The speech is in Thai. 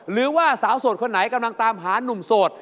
หรือว่าสาวโสดคนไหนกำลังตามหานุ่มโสด